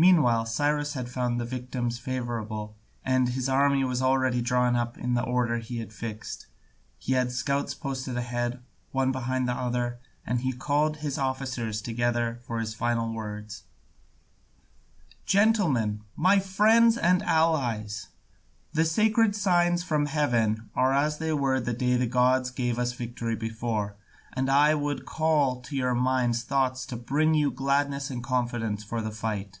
Meanwhile Cyrus had found the victims favourable, and his army was already drawn up in the order he had fixed. He had scouts posted ahead, one behind the other, and then he called his officers together for his final words: "Gentlemen, my friends and allies, the sacred signs from heaven are as they were the day the gods gave us victory before, and I would call to your minds thoughts to bring you gladness and confidence for the fight.